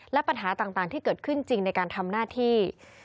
และปัญหาต่างที่เกิดขึ้นจริงในการทำหน้าที่